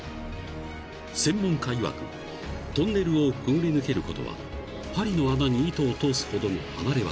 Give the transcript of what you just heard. ［専門家いわくトンネルをくぐり抜けることは針の穴に糸を通すほどの離れ業］